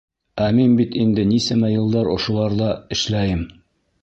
Ә мин бит инде нисәмә йылдар ошоларҙа эшләйем.